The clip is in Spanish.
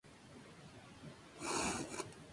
A los dieciocho se alistó en una unidad de caballería.